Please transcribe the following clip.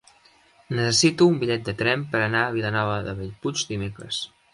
Necessito un bitllet de tren per anar a Vilanova de Bellpuig dimecres.